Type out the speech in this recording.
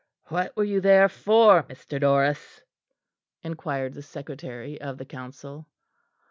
"What were you there for, Mr. Norris?" inquired the Secretary of the Council.